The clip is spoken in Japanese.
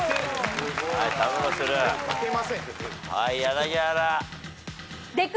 はい柳原。